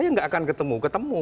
ya nggak akan ketemu